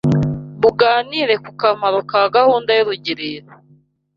Muganire ku kamaro ka gahunda y’ urugerero